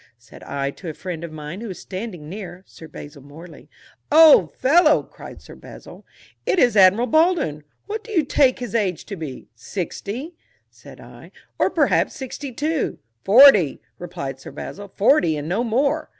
said I to a friend of mine who was standing near (Sir Basil Morley). "Old fellow!" cried Sir Basil, "it is Admiral Baldwin. What do you take his age to be?" "Sixty," said I, "or perhaps sixty two." "Forty," replied Sir Basil, "forty, and no more."